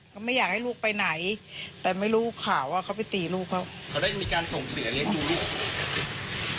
เขาไม่อยากให้ลูกไปไหนแต่ไม่รู้ข่าวว่าเขาไปตีลูกเขาเขาได้มีการส่งเสียเลี้ยงดูลูก